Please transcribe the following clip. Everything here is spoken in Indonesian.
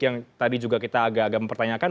yang tadi juga kita agak agak mempertanyakan